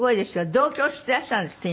同居してらっしゃるんですって？